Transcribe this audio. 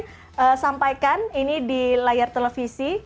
terima kasih sudah menyampaikan ini di layar televisi